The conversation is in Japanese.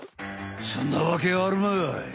そんなわけあるまい。